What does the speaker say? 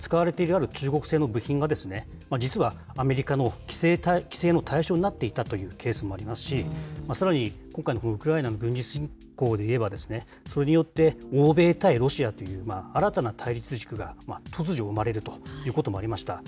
例えば、使われている、ある中国製の部品が、実はアメリカの規制の対象になっていたというケースもありますし、さらに今回のウクライナの軍事侵攻でいえば、それによって欧米対ロシアという新たな対立軸が、突如生まれるということもありました。